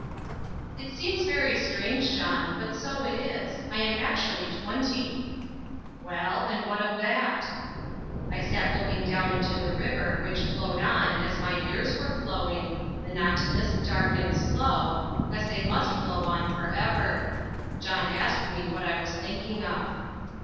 "It seems very strange, John, but so it is I am actually twenty." "Well, and what of that?" I sat looking down into the river, which flowed on, as my years were flowing, monotonous, dark, and slow, as they must flow on for ever. John asked me what I was thinking of.